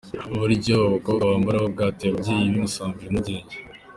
Uburyo aba bakobwa bamabaramo bwateye ababyeyi b'i Musambira impungenge.